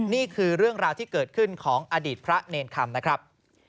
นี่คือเรื่องราวที่เกิดขึ้นของอดีตพระเนรคำนะครับ